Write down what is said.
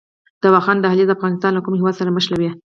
د واخان دهلیز افغانستان له کوم هیواد سره نښلوي؟